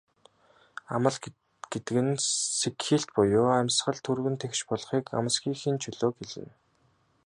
Амал гэдэг нь сэгхийлт буюу амьсгал түргэн тэгш болохыг, амсхийхийн чөлөөг хэлнэ.